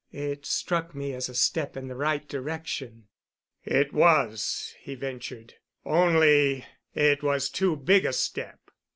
It struck me as a step in the right direction." "It was," he ventured, "only it was too big a step."